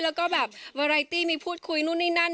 แล้วก็แบบวาไรตี้มีพูดคุยนู่นนี่นั่น